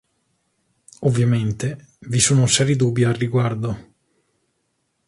Ovviamente, vi sono seri dubbi al riguardo.